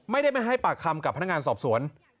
ไม่ได้มาให้ปากคำกับพนักงานสอบสวน